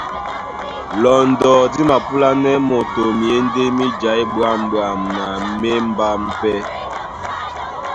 Lɔndɔ dí mapúlánɛ́ moto myěndé mí jaí ɓwâmɓwam na mí émbám pɛ́.